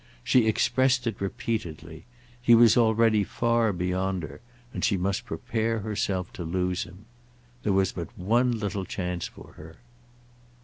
She expressed it repeatedly; he was already far beyond her, and she must prepare herself to lose him. There was but one little chance for her.